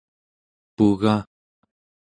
pugaᵉ